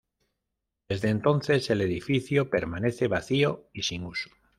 Desde entonces el edificio permanece vacío y sin uso.